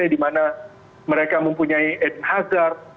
di mana mereka mempunyai ed hazard